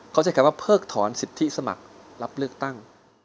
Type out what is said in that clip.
เข้าใจคำว่าเพิกถอนสิทธิสมัครรับเลือกตั้ง